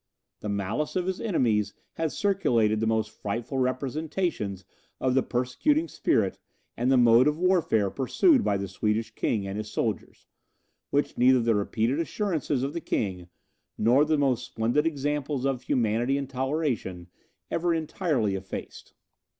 The malice of his enemies had circulated the most frightful representations of the persecuting spirit and the mode of warfare pursued by the Swedish king and his soldiers, which neither the repeated assurances of the king, nor the most splendid examples of humanity and toleration, ever entirely effaced.